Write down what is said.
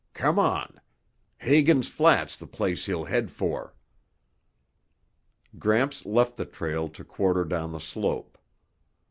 Come on. Hagen's Flat's the place he'll head for." Gramps left the trail to quarter down the slope.